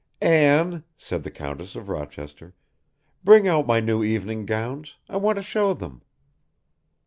"Anne," said the Countess of Rochester, "bring out my new evening gowns, I want to show them."